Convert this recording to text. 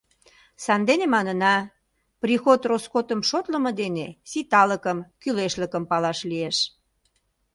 Сандене манына: приход-роскотым шотлымо дене ситалыкым, кӱлешлыкым палаш лиеш.